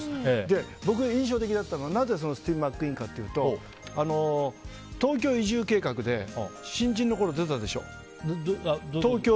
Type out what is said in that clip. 僕、印象的だったのはなぜスティーブ・マックイーンかというと「東京移住計画」で新人のころ出たでしょ。